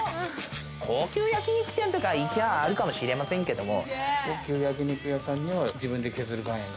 高級焼き肉店とかなら行きゃあるかもしれませんけれども。